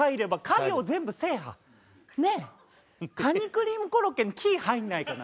カニクリームコロッケに「キ」入んないかな？